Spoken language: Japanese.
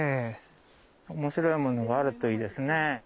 おもしろいものがあるといいですね。